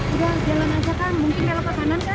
udah jalan aja kan mungkin kita lewat kanan kan